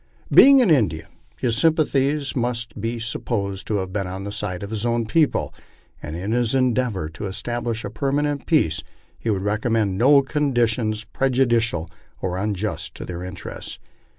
Being an Indian, his sympathies must be supposed to have been on the side of his own people, and in his endeavor to establish a permanent peace he would recommend no conditions prejudicial or unjust to their interests.